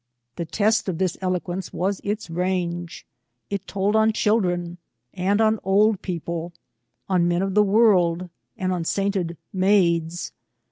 The test of this eloquence was its range. It told on children, and on old people; on men of the world, and on sainted maids.